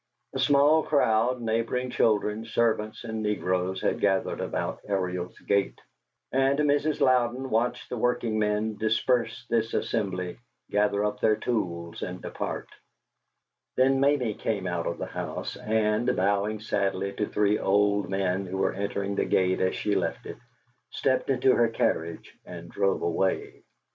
A small crowd, neighboring children, servants, and negroes, had gathered about Ariel's gate, and Mrs. Louden watched the working men disperse this assembly, gather up their tools, and depart; then Mamie came out of the house, and, bowing sadly to three old men who were entering the gate as she left it, stepped into her carriage and drove away.